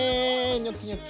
ニョキニョキ！